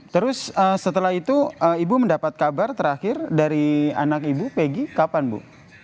terus setelah itu ibu mendapat kabar terakhir dari anak ibu peggy kapan bu